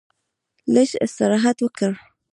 لږ استراحت وکړ.